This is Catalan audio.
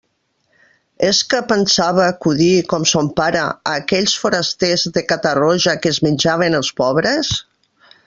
És que pensava acudir, com son pare, a aquells forasters de Catarroja que es menjaven els pobres?